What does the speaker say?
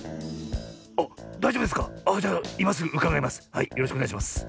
はいよろしくおねがいします。